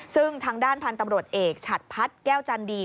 ซึ่งทางด้านพันธุ์ตำรวจเอกฉัดพัฒน์แก้วจันดี